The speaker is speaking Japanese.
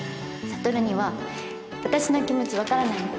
悟には私の気持ち分からないもん